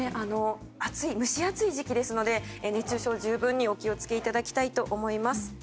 蒸し暑い時期ですので熱中症十分にお気を付けいただきたいと思います。